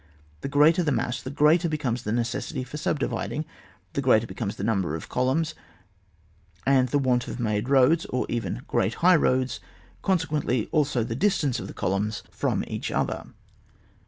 The greater the mass the greater becomes the necessity for sub dividing, the greater becomes the number of columns, and the want of mado roads, or even g^eat high roads, consequently also the distance of the columns from 32 Oir TFAR. [book v. each other.